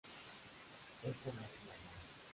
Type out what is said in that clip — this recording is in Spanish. Esto no es una broma".